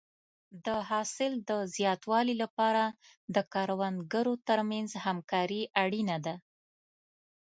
د حاصل د زیاتوالي لپاره د کروندګرو ترمنځ همکاري اړینه ده.